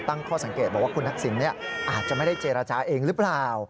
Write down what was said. ตั้งข้อสังเกตบอกว่าคุณทักษิณอาจจะไม่ได้เจรจาเองหรือเปล่า